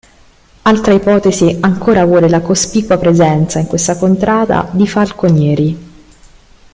Altra ipotesi ancora vuole la cospicua presenza, in questa contrada, di falconieri.